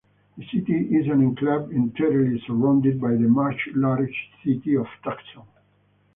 The city is an enclave entirely surrounded by the much larger city of Tucson.